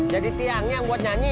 jadi tiangnya buat nyanyi